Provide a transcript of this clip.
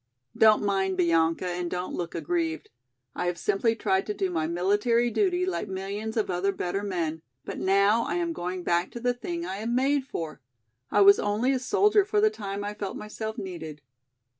Don't mind, Bianca, and don't look aggrieved. I have simply tried to do my military duty like millions of other better men, but now I am going back to the thing I am made for. I was only a soldier for the time I felt myself needed.